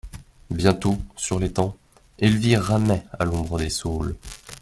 Bientôt, sur l'étang, Elvire ramait à l'ombre des saules.